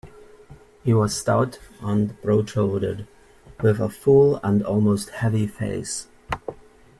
He was stout and broad-shouldered, with a full and almost heavy face.